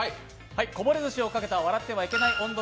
こぼれ寿司をかけた、「笑ってはいけない音読」